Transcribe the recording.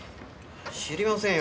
知りませんよ。